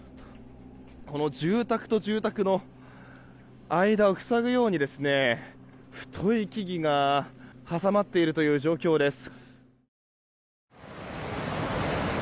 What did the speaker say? この住宅と住宅の間を塞ぐように太い木々が挟まっているという状況です。